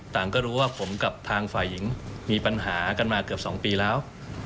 ก็รู้ว่าผมกับทางฝ่ายหญิงมีปัญหากันมาเกือบ๒ปีแล้ว